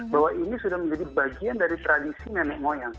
bahwa ini sudah menjadi bagian dari tradisi nenek moyang